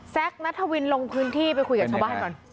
นัทวินลงพื้นที่ไปคุยกับชาวบ้านก่อน